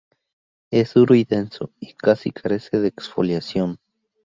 Es duro y denso y casi carece de exfoliación.